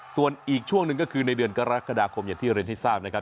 ส่วนอีกช่วงหนึ่งก็คือในเดือนกรกฎาคมอย่างที่เรียนให้ทราบนะครับ